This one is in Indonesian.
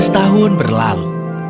tujuh belas tahun berlalu